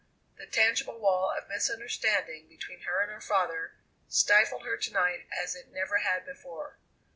The tangible wall of misunderstanding between her and her father stifled her to night as it never had before.